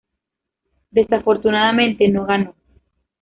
Desafortunadamente no ganó.